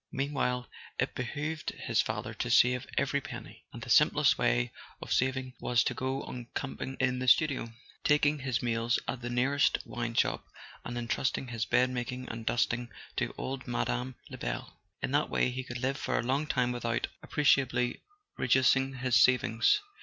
Meanwhile, it behoved his father to save every penny. And the simplest way of saving was to go on camping in the studio, taking his meals at the nearest wine shop, and entrusting his bed making and dusting to old Mme. Lebel. In that way he could live for a long time without appreciably reducing his sav¬ ings.